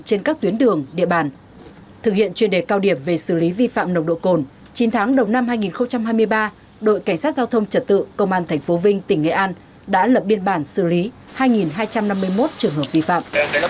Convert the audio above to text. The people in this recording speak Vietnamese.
trên các tuyến đường địa bàn thực hiện chuyên đề cao điểm về xử lý vi phạm nồng độ cồn chín tháng đầu năm hai nghìn hai mươi ba đội cảnh sát giao thông trật tự công an tp vinh tỉnh nghệ an đã lập biên bản xử lý hai hai trăm năm mươi một trường hợp vi phạm